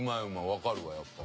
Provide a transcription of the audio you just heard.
わかるわやっぱ。